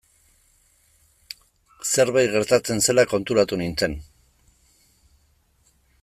Zerbait gertatzen zela konturatu nintzen.